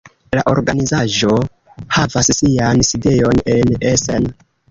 La organizaĵo havas sian sidejon en Essen.